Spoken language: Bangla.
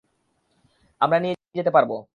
আমরা নিয়ে যেতে পারব।